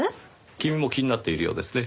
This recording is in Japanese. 君も気になっているようですね。